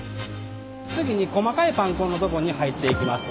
次に細かいパン粉のとこに入っていきます